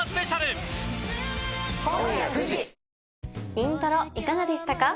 『イントロ』いかがでしたか？